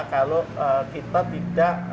kalau kita tidak